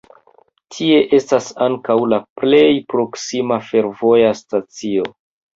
Tie estas ankaŭ la plej proksima fervoja stacio.